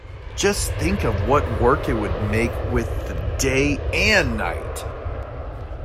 Just think of what work it would make with the day and night!